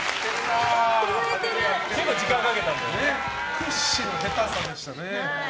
屈指の下手さでしたね。